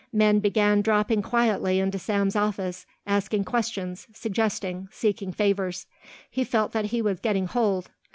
Men began dropping quietly into Sam's office, asking questions, suggesting, seeking favours. He felt that he was getting hold.